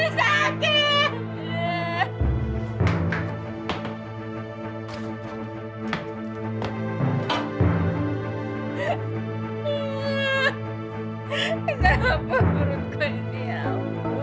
kenapa aku harus berdiam